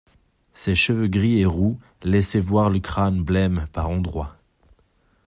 Ses cheveux gris et roux laissaient voir le crâne blême, par endroits.